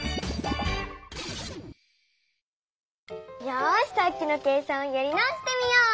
よしさっきの計算をやり直してみよう！